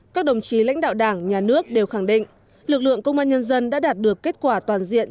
các đồng chí lãnh đạo đảng nhà nước đều khẳng định lực lượng công an nhân dân đã đạt được kết quả toàn diện